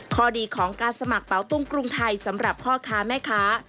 ข้อดีของการสมัครเป๋าตุ้งกรุงไทยสำหรับพ่อค้าแม่ค้า